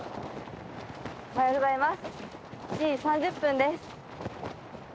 おはようございます。